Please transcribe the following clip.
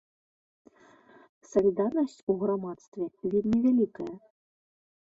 Салідарнасць у грамадстве вельмі вялікая.